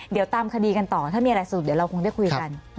เดี๋ยวตามคดีกันต่อถ้ามีอะไรสรุปเดี๋ยวเราคงได้คุยกัน